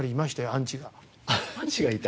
アンチがいた。